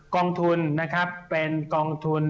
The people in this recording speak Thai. กองทุนนะครับเป็นกองทุน